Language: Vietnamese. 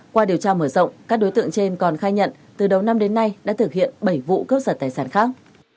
qua điều tra mở rộng các đối tượng trên còn khai nhận từ đầu năm đến nay đã thực hiện bảy vụ cướp giật tài sản khác